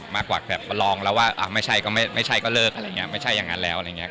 มากกว่าแบบลองแล้วว่าไม่ใช่ก็ไม่ใช่ก็เลิกอะไรอย่างนี้ไม่ใช่อย่างนั้นแล้วอะไรอย่างนี้